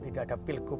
tidak ada pil gup